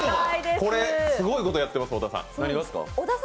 これ、すごいことやってます、小田さん。